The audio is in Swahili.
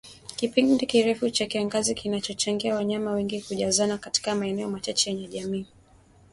Kipindi kirefu cha kiangazi kinachochangia wanyama wengi kujazana katika maeneo machache yenye maji